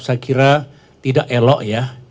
saya kira tidak elok ya